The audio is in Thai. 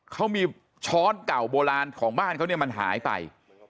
เขามีช้อนเก่าโบราณของบ้านเขาเนี่ยมันหายไป